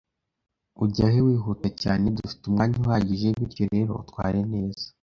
Ujya he wihuta cyane? Dufite umwanya uhagije, bityo rero utware neza